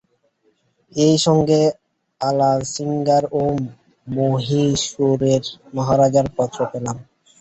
ঐ সঙ্গেই আলাসিঙ্গার ও মহীশূরের মহারাজার পত্র পেলাম।